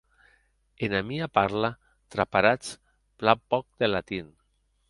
Ena mia parla traparatz plan pòc de latin.